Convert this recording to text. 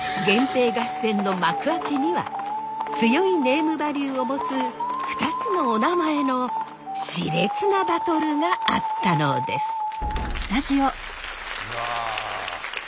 源平合戦の幕開けには強いネームバリューを持つ２つのおなまえのしれつなバトルがあったのです。